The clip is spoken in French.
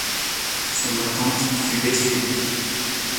Son attente fut déçue.